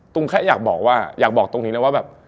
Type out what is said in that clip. ตุ้มแค่อยากบอกตรงนี้แล้วว่าแบบ